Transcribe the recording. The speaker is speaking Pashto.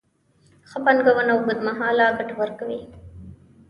ښه پانګونه اوږدمهاله ګټه ورکوي.